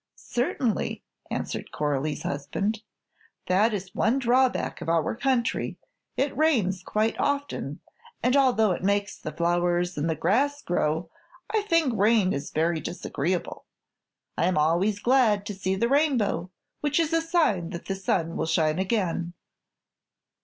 "Certainly," answered Coralie's husband; "that is the one drawback of our country; it rains quite often, and although it makes the flowers and the grass grow I think rain is very disagreeable. I am always glad to see the rainbow, which is a sign that the sun will shine again."